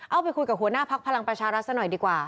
เอาไปคุยกับหัวหน้าพักพลังประชารัฐซะหน่อยดีกว่า